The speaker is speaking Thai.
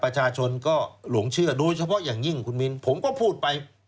ประชาชนก็หลงเชื่อโดยเฉพาะอย่างยิ่งคุณมินผมก็พูดไป